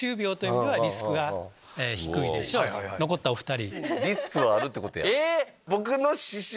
残ったお２人。